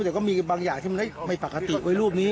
แต่ก็มีบางอย่างที่มันไม่ปกติไว้รูปนี้